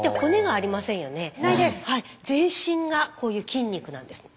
全身がこういう筋肉なんです。